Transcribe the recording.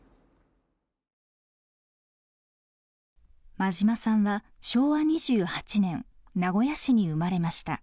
馬島さんは昭和２８年名古屋市に生まれました。